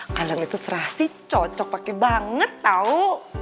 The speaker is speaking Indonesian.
kalian itu serasi cocok pake banget tau